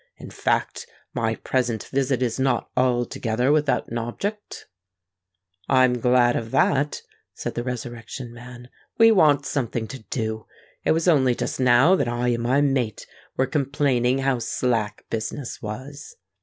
In fact, my present visit is not altogether without an object." "I'm glad of that," said the Resurrection Man. "We want something to do. It was only just now that I and my mate were complaining how slack business was."